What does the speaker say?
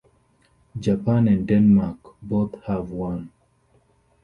Japan and Denmark both have one.